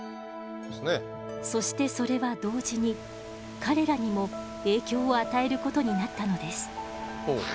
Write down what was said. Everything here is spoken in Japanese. そしてそれは同時に彼らにも影響を与えることになったのです。